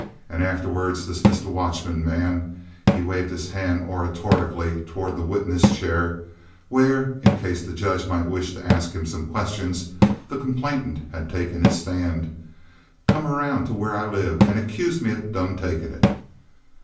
An' aftahwahd dis Mistah Watchman man"—he waved his hand oratorically toward the witness chair, where, in case the judge might wish to ask him some questions, the complainant had taken his stand—"come around tuh where I live an' accused me of done takin' it."